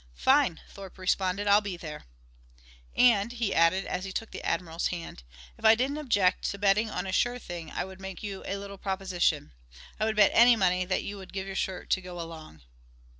"Fine," Thorpe responded. "I'll be there." "And," he added, as he took the Admiral's hand, "if I didn't object to betting on a sure thing I would make you a little proposition. I would bet any money that you would give your shirt to go along."